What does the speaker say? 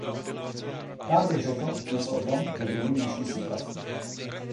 Rád bych řekl něco o tom, jak vidím dnešní situaci.